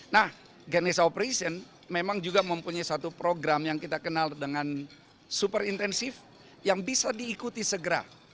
nah ganess operation memang juga mempunyai satu program yang kita kenal dengan super intensif yang bisa diikuti segera